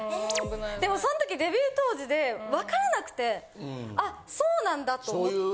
でもそんときデビュー当時でわからなくてあそうなんだと思って。